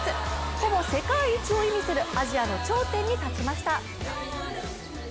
ほぼ世界一を意味するアジアの頂点に立ちました。